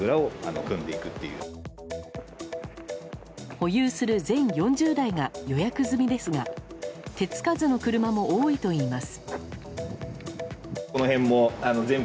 保有する全４０台が予約済みですが手つかずの車も多いといいます。